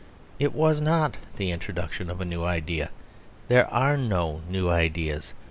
It was not the introduction of a new idea; there are no new ideas.